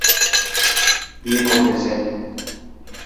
বিয়ে করতে চাই।